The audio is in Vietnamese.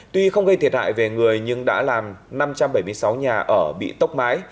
tuy không gây thiệt hại về người nhưng đã làm năm trăm bảy mươi sáu nhà ở bị tốc mái